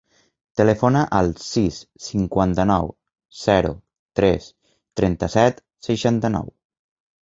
Telefona al sis, cinquanta-nou, zero, tres, trenta-set, seixanta-nou.